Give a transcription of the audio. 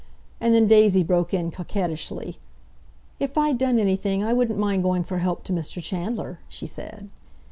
And then Daisy broke in coquettishly: "If I'd done anything I wouldn't mind going for help to Mr. Chandler," she said.